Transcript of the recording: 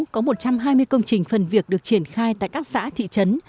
có một trăm hai mươi công trình phần việc được triển khai tại các xã thị trấn